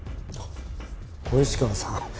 小石川さん